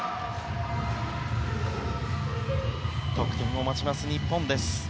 得点を待ちます、日本です。